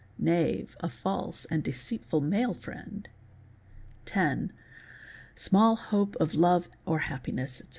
Anave—a false and deceitful male friend. Ten—small hope of love or happiness, etc.